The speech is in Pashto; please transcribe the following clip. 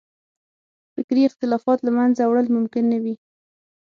فکري اختلافات له منځه وړل ممکن نه وي.